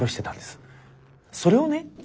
それをね